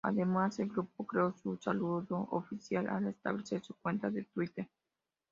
Además, el grupo creó su saludo oficial al establecer su cuenta de Twitter.